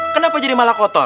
kenapa jadi malah kotor